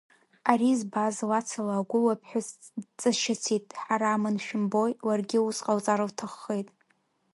Ари збаз лацала агәыла ԥҳәыс дҵашьыцит, дҳарамын шәымбои, ларгьы ус ҟалҵар лҭаххеит.